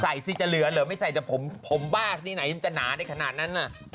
สิจะเหลือเหรอไม่ใส่แต่ผมบ้าที่ไหนมันจะหนาได้ขนาดนั้นน่ะ